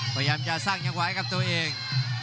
พยายามจะสร้างจังหวะให้กับตัวเอง